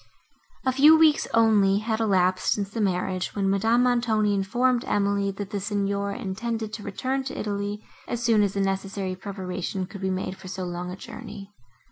A few weeks only had elapsed, since the marriage, when Madame Montoni informed Emily, that the Signor intended to return to Italy, as soon as the necessary preparation could be made for so long a journey.